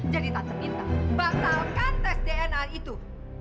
jadi tante minta batalkan tes dna itu